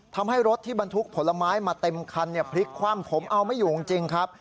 ทำให้รถที่บรรทุกผลไม้มาเต็มคันพลิกคว่ำผมเอาไม่อยู่จริงครับ